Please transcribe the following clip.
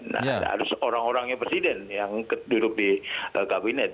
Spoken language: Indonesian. nah harus orang orangnya presiden yang duduk di kabinet